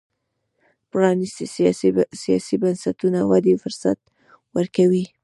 پرانیستي سیاسي بنسټونه ودې فرصت ورکوي.